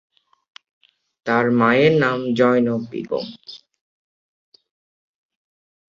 তার মায়ের নাম জয়নব বেগম।